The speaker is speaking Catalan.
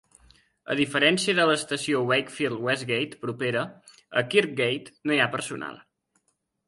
A diferència de l'estació Wakefield Westgate propera, a Kirkgate no hi ha personal.